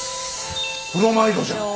ブロマイドじゃん！